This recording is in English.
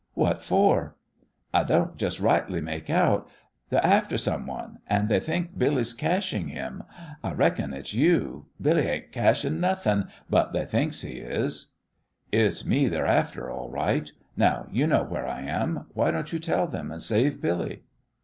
"What for?" "I don't jest rightly make out. They's after someone, and they thinks Billy's cacheing him. I reckon it's you. Billy ain't cacheing nothin', but they thinks he is." "It's me they's after, all right. Now, you know where I am, why don't you tell them and save Billy?"